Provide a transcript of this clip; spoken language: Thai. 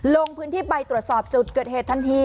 ลงพื้นที่ไปตรวจสอบจุดเกิดเหตุทันที